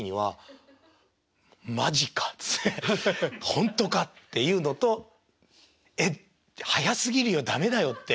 「ほんとか？」っていうのと「えっ早すぎるよ駄目だよ」って。